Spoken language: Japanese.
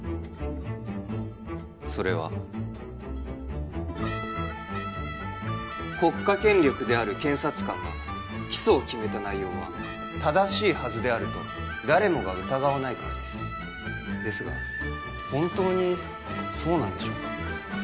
それは国家権力である検察官が起訴を決めた内容は正しいはずであると誰もが疑わないからですですが本当にそうなんでしょうか？